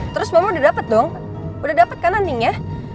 terus mama udah dapet dong udah dapet kan antingnya